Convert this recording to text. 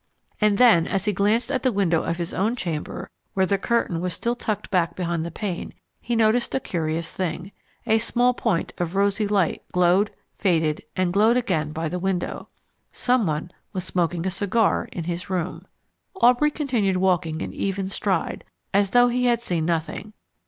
And then, as he glanced at the window of his own chamber, where the curtain was still tucked back behind the pane, he noticed a curious thing. A small point of rosy light glowed, faded, and glowed again by the window. Someone was smoking a cigar in his room. Aubrey continued walking in even stride, as though he had seen nothing.